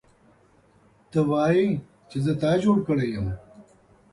ته وایې چې زه تا جوړ کړی یم